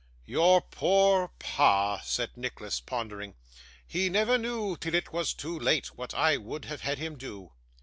'Your poor pa!' said Mrs. Nickleby, pondering. 'He never knew, till it was too late, what I would have had him do!